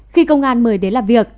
khi công an mời đến làm việc